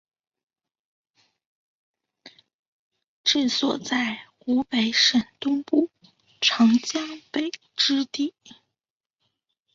治所在湖北省东部长江北之地。